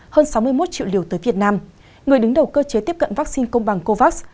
hơn sáu mươi một triệu liều tới việt nam người đứng đầu cơ chế tiếp cận vaccine công bằng covax